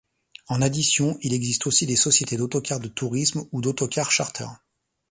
En addition, il existe aussi des société d'autocar de tourisme, ou d'autocar charter.